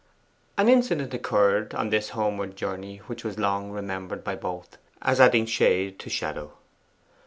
An incident occurred on this homeward journey which was long remembered by both, as adding shade to shadow.